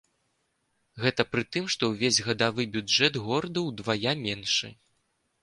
Гэта пры тым, што ўвесь гадавы бюджэт гораду ўдвая меншы.